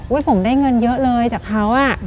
อุ๊ยผมได้เงินเยอะเลยจากเขาอะ